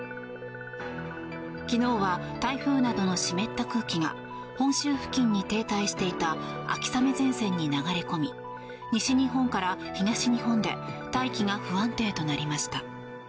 昨日は台風などの湿った空気が本州付近に停滞していた秋雨前線に流れ込み西日本から東日本で大気が不安定となりました。